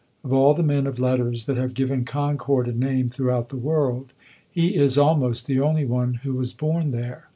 Of all the men of letters that have given Concord a name throughout the world, he is almost the only one who was born there.